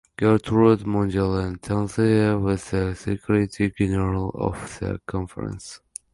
Gertrude Mongella of Tanzania was the secretary-general of the conference.